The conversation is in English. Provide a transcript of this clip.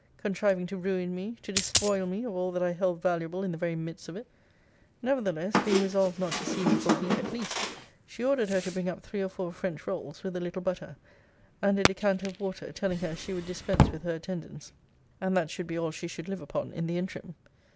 Contriving to ruin me, to despoil me of all that I held valuable, in the very midst of it. 'Nevertheless, being resolved not to see me for a week at least, she ordered her to bring up three or four French rolls, with a little butter, and a decanter of water; telling her, she would dispense with her attendance; and that should be all she should live upon in the interim.